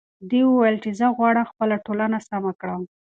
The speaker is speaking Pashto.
دې وویل چې زه غواړم خپله ټولنه سمه کړم.